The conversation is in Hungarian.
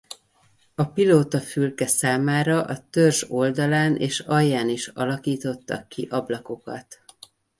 A pilótafülke számára a törzs oldalán és alján is alakítottak ki ablakokat.